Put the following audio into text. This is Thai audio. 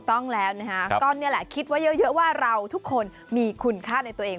จริงแล้วนะฮะก็เนี่ยแหละจะอย่าให้คิดว่าเยอะว่าเราทุกคนมีคุณค่าในตัวเอง